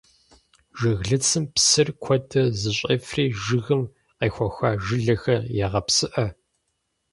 Жыглыцым псыр куэду зыщӀефри жыгым къехуэха жылэхэр егъэпсыӏэ.